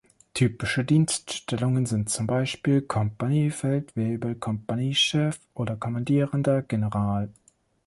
Typische Dienststellungen sind zum Beispiel Kompaniefeldwebel, Kompaniechef oder Kommandierender General.